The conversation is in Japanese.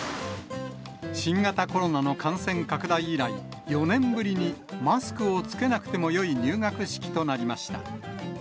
新型コロナの感染拡大以来、４年ぶりにマスクを着けなくてもよい入学式となりました。